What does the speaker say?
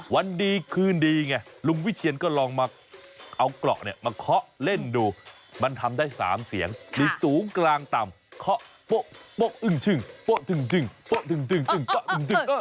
วันดีคืนดีไงลุงวิเชียนก็ลองมาเอาเกราะเนี่ยมาเคาะเล่นดูมันทำได้๓เสียงหรือสูงกลางต่ำเคาะโป๊ะอึ้งชึ่งโป๊ะถึงโป๊ะถึงป๊ะอึ้ง